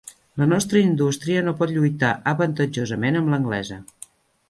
La nostra indústria no pot lluitar avantatjosament amb l'anglesa.